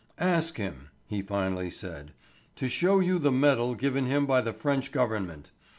"Ask him," he finally said, "to show you the medal given him by the French government.